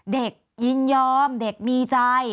เด็กยินยอมเด็กมีใจ